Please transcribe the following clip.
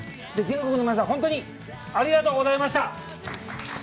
全国の皆さん、本当にありがとうございました。